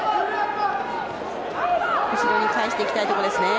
後ろに返していきたいところですね。